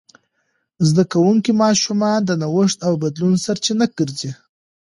زده کوونکي ماشومان د نوښت او بدلون سرچینه ګرځي.